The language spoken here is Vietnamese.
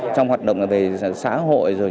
trong hoạt động về xã hội